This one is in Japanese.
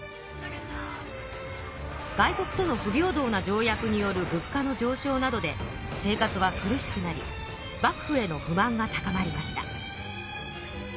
外国との不平等な条約による物価の上しょうなどで生活は苦しくなり幕府への不満が高まりました。